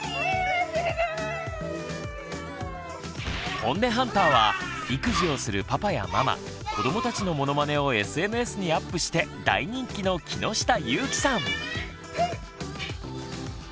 ホンネハンターは育児をするパパやママ子どもたちのモノマネをＳＮＳにアップして大人気の木下ゆーきさん。